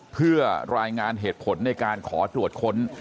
เพื่อรายงานเหตุผลในการขอตรวจค้น